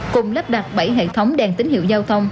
cùng lắp đặt bảy hệ thống đèn tín hiệu giao thông